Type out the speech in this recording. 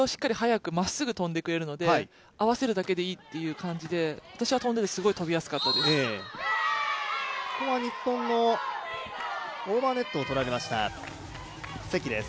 位置取りを速くまっすぐ跳んでくれるので、合わせるだけでいいという感じで私は跳んでてすごく跳びやすかったです。